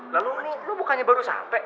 lalu lo bukannya baru sampe